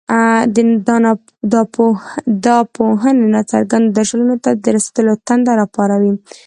دا پوهنې ناڅرګندو درشلونو ته د رسېدلو تنده راپاروي.